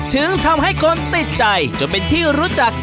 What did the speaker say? ถึงทำให้คนติดใจจนเป็นที่รู้จัก